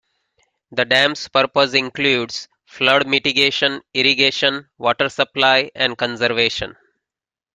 The dam's purpose includes flood mitigation, irrigation, water supply and conservation.